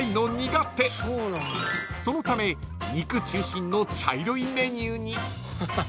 ［そのため肉中心の茶色いメニューに］